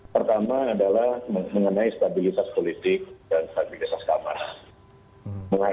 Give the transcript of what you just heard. pertama adalah mengenai stabilitas politik dan stabilitas keamanan